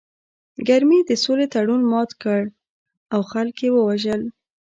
کرمي د سولې تړون مات کړ او خلک یې ووژل